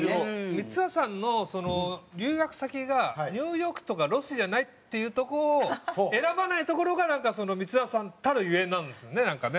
光浦さんのその留学先がニューヨークとかロスじゃないっていうとこを選ばないところがなんか光浦さんたるゆえんなんですよねなんかね。